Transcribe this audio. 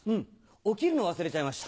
起きるのを忘れちゃいました。